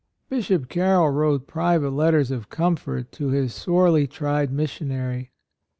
Bishop Carroll wrote private letters of comfort to his sorely tried missionary.